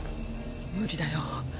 無理だよ